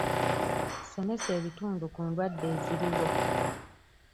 Somesa ebitundu ku ndwadde eziriwo.